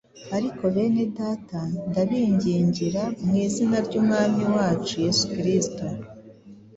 Ariko bene Data ndabingingira mu izina ry’Umwami wacu Yesu Kristo